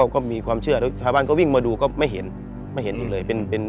ก็มีความเชื่อพระบ้านก็วิ่งมาดูก็ไม่เห็นไม่เห็นอีกเลย